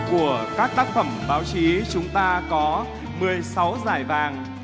của các tác phẩm báo chí chúng ta có một mươi sáu giải vàng